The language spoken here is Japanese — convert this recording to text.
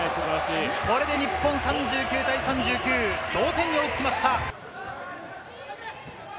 これで３９対３９と日本、同点に追いつきました。